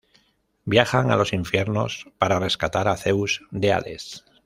Viajan a los infiernos para rescatar a Zeus de Hades.